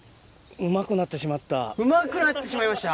うまくなってしまいました？